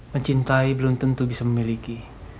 mencintai belum tentu bisa memiliki